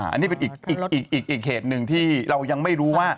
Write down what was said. อันนี้เป็นอีกเหตุหนึ่งที่เรายังไม่รู้ว่า